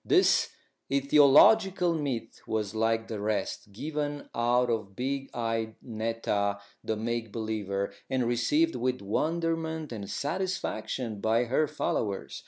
This aetiological myth was, like the rest, given out by big eyed Netta, the make believer, and received with wonderment and satisfaction by her followers.